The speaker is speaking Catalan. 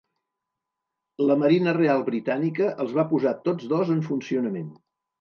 La Marina Real britànica els va posar tots dos en funcionament.